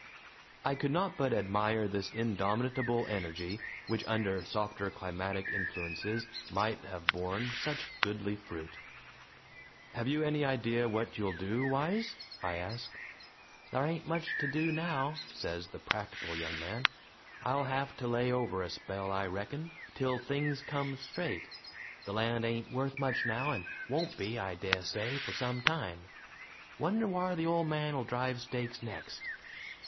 I could not but admire this indomitable energy, which under softer climatic influences might have borne such goodly fruit. "Have you any idea what you'll do, Wise?" I ask. "Thar ain't much to do now," says the practical young man. "I'll have to lay over a spell, I reckon, till things comes straight. The land ain't worth much now, and won't be, I dessay, for some time. Wonder whar the ole man'll drive stakes next."